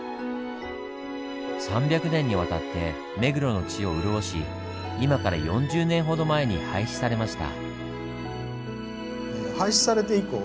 ３００年にわたって目黒の地を潤し今から４０年ほど前に廃止されました。